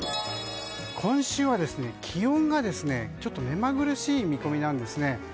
今週は気温がちょっとめまぐるしい見込みなんですね。